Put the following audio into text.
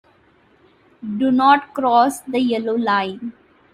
Do not cross the yellow line.